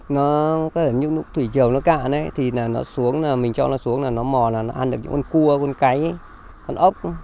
nói về nguồn thức ăn